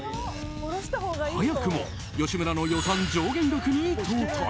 早くも吉村の予算上限額に到達。